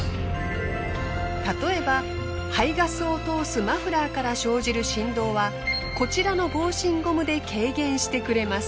例えば排ガスを通すマフラーから生じる振動はこちらの防振ゴムで軽減してくれます。